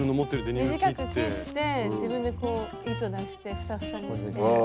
短く切って自分でこう糸出してふさふさにして。